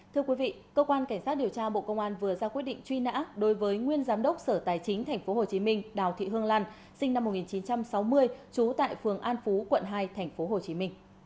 thưa quý vị cơ quan cảnh sát điều tra bộ công an vừa ra quyết định truy nã đối với nguyên giám đốc sở tài chính tp hcm đào thị hương lan sinh năm một nghìn chín trăm sáu mươi trú tại phường an phú quận hai tp hcm